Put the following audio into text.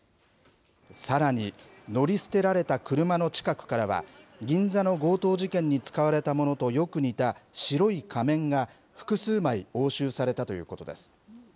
さらに、乗り捨てられた車の近くからは、銀座の強盗事件に使われたものとよく似た白い仮面が複数枚押収されたということです。